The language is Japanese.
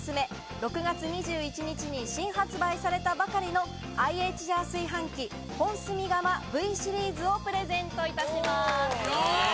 ６月２１日に新発売されたばかりのＩＨジャー炊飯器、本炭釜Ｖシリーズをプレゼントいたします。